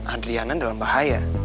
adriana dalam bahaya